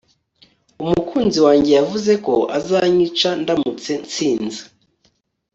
Umukunzi wanjye yavuze ko azanyica ndamutse nsinze